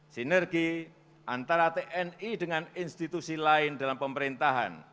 sinergi antara tni dengan institusi lain dalam pemerintahan